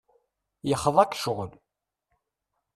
Yexḍa-k ccɣel.